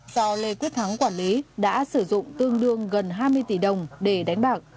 do lê quyết thắng quản lý đã sử dụng tương đương gần hai mươi tỷ đồng để đánh bạc